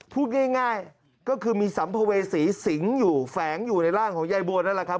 พูดง่ายก็คือมีสัมภเวษีสิงอยู่แฝงอยู่ในร่างของยายบัวนั่นแหละครับ